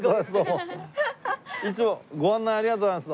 いつもご案内ありがとうございます。